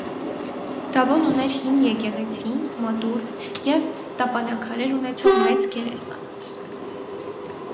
Դավոն ուներ հին եկեղեցի, մատուռ և տապանաքարեր ունեցող մեծ գերեզմանոց։